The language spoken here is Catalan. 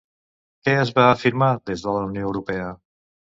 Què es va afirmar des de la Unió Europea?